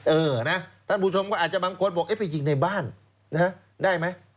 เออนะท่านผู้ชมก็อาจจะบางคนบอกไปยิงในบ้านนะฮะได้ไหม